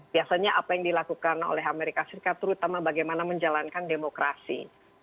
biasanya apa yang dilakukan oleh amerika serikat terutama bagaimana menjalankan demokrasi